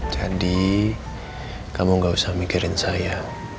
jadi kamu gak usah mikirin saya